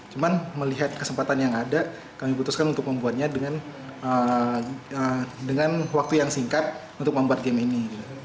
cuma melihat kesempatan yang ada kami putuskan untuk membuatnya dengan waktu yang singkat untuk membuat game ini